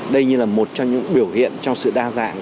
đây như là một trong những biểu hiện cho sự đa dạng